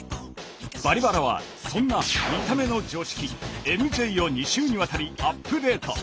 「バリバラ」はそんな見た目の常識ＭＪを２週にわたりアップデート！